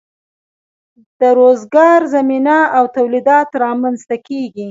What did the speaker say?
د روزګار زمینه او تولیدات رامینځ ته کیږي.